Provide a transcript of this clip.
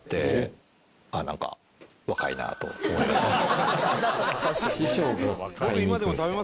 なんか若いなと思いましたね。